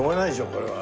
これは。